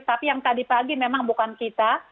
tapi yang tadi pagi memang bukan kita